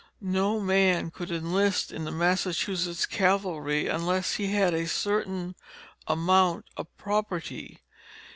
No man could enlist in the Massachusetts Cavalry unless he had a certain amount of property.